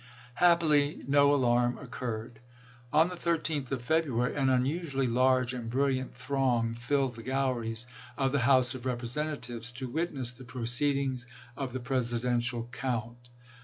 Happily no alarm occurred. On the 13th of February, an unusually large and brilliant throng filled the galleries of the House of Representatives to witness the proceedings of the Presidential count.